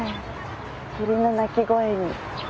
鳥の鳴き声に。